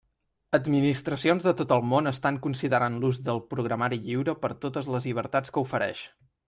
Administracions de tot el món estan considerant l'ús del programari lliure per totes les llibertats que ofereix.